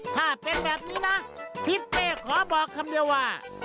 ถ้าเป็นแบบนี้นะทิศเป้ขอบอกคำเดียวว่า